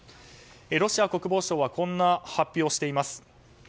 ロシア国防省はこんな発表をしています。